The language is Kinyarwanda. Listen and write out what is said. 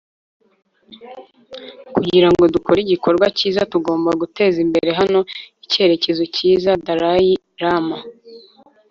kugira ngo dukore igikorwa cyiza tugomba guteza imbere hano icyerekezo cyiza. - dalai lama